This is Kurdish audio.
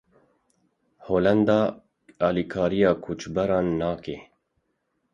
Holanda alîkariya koçberan nake.